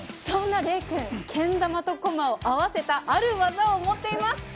そんな礼君、けん玉とこまを合わせたある技を持っています。